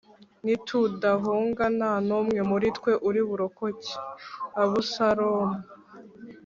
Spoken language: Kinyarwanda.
nitudahunga nta n’umwe muri twe uri burokoke Abusalomu.